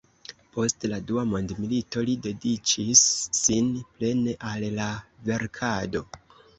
Post la Dua mondmilito li dediĉis sin plene al la verkado.